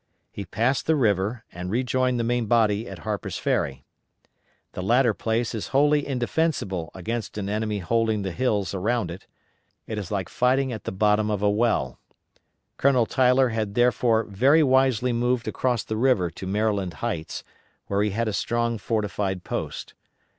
He passed the river and rejoined the main body at Harper's Ferry. The latter place is wholly indefensible against an enemy holding the hills around it. It is like fighting at the bottom of a well. General Tyler had therefore very wisely moved across the river to Maryland Heights, where he had a strong fortified post.